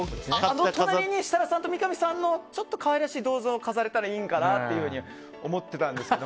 あの隣に三上さんと設楽さんのちょっと可愛い飾れたらいいのかなって思ってたんですけど。